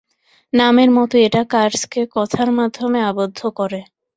নামের মতোই, এটা কার্সকে কথার মাধ্যমে আবদ্ধ করে।